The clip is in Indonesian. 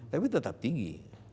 tapi tetap tinggi